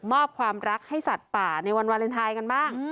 ความรักให้สัตว์ป่าในวันวาเลนไทยกันบ้าง